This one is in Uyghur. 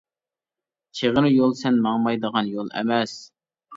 چىغىر يول سەن ماڭمايدىغان يول ئەمەس.